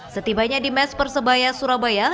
setibanya di mes persebaya surabaya